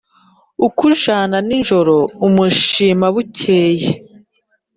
Ukujana ninjoro umushima bukeye.